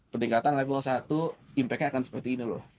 peningkatan level satu impactnya akan seperti ini loh